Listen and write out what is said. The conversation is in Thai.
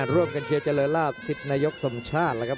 ร่วมกันเชียร์เจริญลาบสิทธิ์นายกสมชาติแล้วครับ